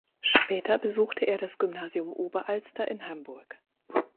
Später besuchte er das Gymnasium Oberalster in Hamburg.